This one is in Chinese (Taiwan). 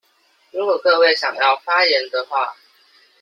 如果各位想要發言的話